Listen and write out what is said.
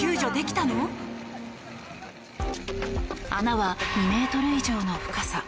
穴は２ｍ以上の深さ。